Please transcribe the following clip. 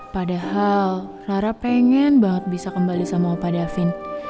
padahal rara pengen banget bisa kembali sama opa davin